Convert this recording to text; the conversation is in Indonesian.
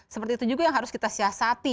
seperti itu juga yang harus kita siasati